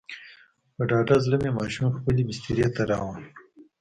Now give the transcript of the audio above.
په ډاډه زړه مې ماشوم خپلې بسترې ته راووړ.